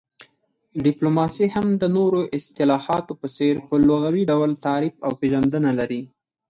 ډيپلوماسي هم د نورو اصطلاحاتو په څير په لغوي ډول تعريف او پيژندنه لري